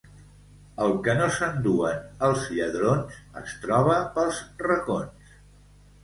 El que no s'enduen els lladrons es troba pels racons.